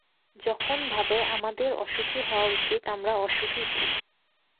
যখন ভাবে আমাদের অসুখী হওয়া উচিত, আমরা অসুখী হই।